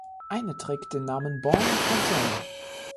Eine trägt den Namen «Bonnefontaine».